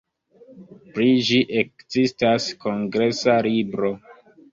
Pri ĝi ekzistas kongresa libro.